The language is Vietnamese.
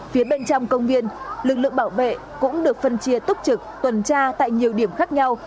phía bên trong công viên lực lượng bảo vệ cũng được phân chia tốt trực tuần tra tại nhiều điểm khác nhau